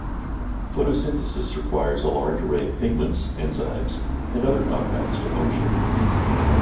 Photosynthesis requires a large array of pigments, enzymes, and other compounds to function.